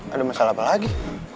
ada masalah apa lagi